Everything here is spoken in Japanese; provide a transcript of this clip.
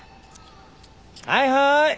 はいはーい。